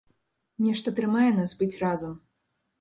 Нешта трымае нас быць разам.